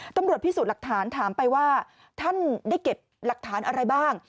ตำรวจพิสูจน์หลักฐานถามไปว่าท่านได้เก็บหลักฐานอะไรบ้าง